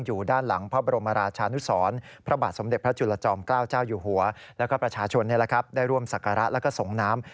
อยู่หัวแล้วก็ประชาชนเนี่ยแหละครับได้ร่วมศักระแล้วก็ส่งน้ำ